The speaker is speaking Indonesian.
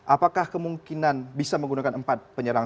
apakah kemungkinan bisa menggunakan empat penyerang